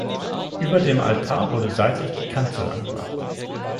Über dem Altar wurde seitlich die Kanzel angebracht.